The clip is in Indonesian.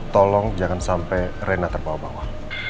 tolong jangan sampai rena terbawa bawa